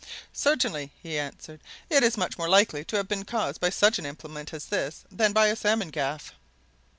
"Certainly!" he answered. "It is much more likely to have been caused by such an implement as this than by a salmon gaff."